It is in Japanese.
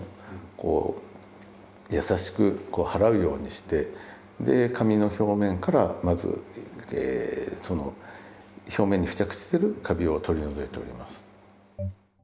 こう優しく払うようにして紙の表面からまずその表面に付着してるカビを取り除いております。